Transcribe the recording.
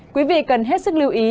quý vị cần hết sức lưu ý